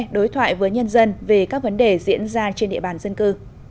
đối thoại với nhân dân về các vấn đề diễn ra trên địa bàn dân cư